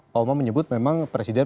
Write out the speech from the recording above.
pak oma menyebut memang presiden